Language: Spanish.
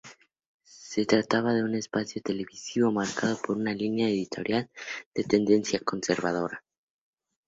Se trataba de un espacio televisivo marcado por una línea editorial de tendencia conservadora.